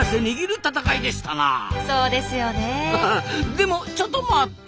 でもちょっと待った！